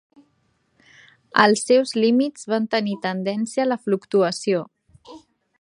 Els seus límits van tenir tendència a la fluctuació.